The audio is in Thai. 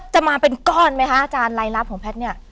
จะมาเป็นก้อนไหมคะอาจารย์รายลับของแพทย์เนี่ย